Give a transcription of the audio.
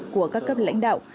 của các cấp lãnh đạo